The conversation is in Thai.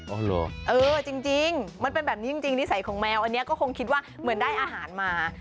เหรอเออจริงมันเป็นแบบนี้จริงนิสัยของแมวอันนี้ก็คงคิดว่าเหมือนได้อาหารมา